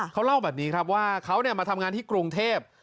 เขาเล่าแบบนี้ครับว่าเขามาทำงานที่กรุงเทพ